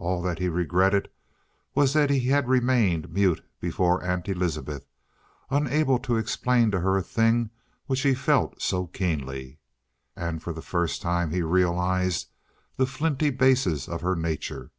All that he regretted was that he had remained mute before Aunt Elizabeth, unable to explain to her a thing which he felt so keenly. And for the first time he realized the flinty basis of her nature.